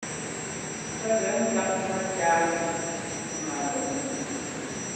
Pɛ́ gɛ ŋkáp mɛ́táa tʉ́ má lɔʼnɛ.